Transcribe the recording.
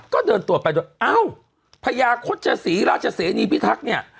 ก็เดินตรวจไปโดยเอ้าพญาคตชศรีราชเสนีพิทักษ์เนี่ย